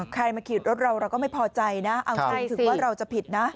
ใครมาขี่รถเราเราก็ไม่พอใจนะเอาจริงถึงว่าเราจะผิดนะ